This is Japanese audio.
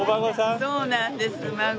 そうなんです。